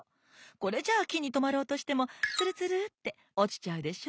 これじゃあきにとまろうとしてもツルツルっておちちゃうでしょ？